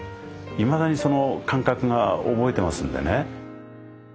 いまだにその感覚が覚えてますんでね。